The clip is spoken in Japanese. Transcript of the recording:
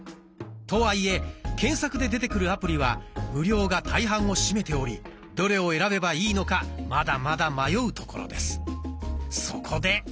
とはいえ検索で出てくるアプリは無料が大半を占めておりどれを選べばいいのかまだまだ迷うところです。